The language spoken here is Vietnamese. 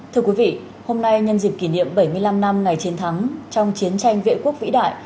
thưa quý vị hôm nay nhân dịp kỷ niệm bảy mươi năm năm ngày chiến thắng trong chiến tranh vệ quốc vĩ đại